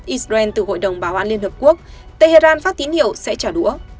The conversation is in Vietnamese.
israel từ hội đồng bảo an liên hợp quốc tehran phát tín hiệu sẽ trả đũa